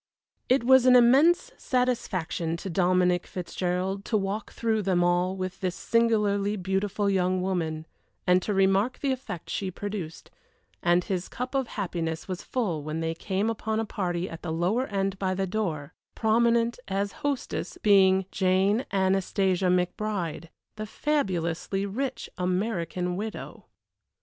It was an immense satisfaction to Dominic Fitzgerald to walk through them all with this singularly beautiful young woman, and to remark the effect she produced, and his cup of happiness was full when they came upon a party at the lower end by the door; prominent, as hostess, being Jane Anastasia McBride the fabulously rich American widow.